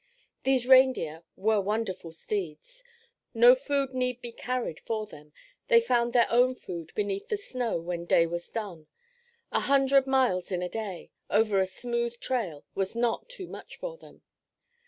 These reindeer were wonderful steeds. No food need be carried for them. They found their own food beneath the snow when day was done. A hundred miles in a day, over a smooth trail, was not too much for them.